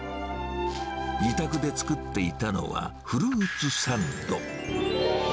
自宅で作っていたのは、フルーツサンド。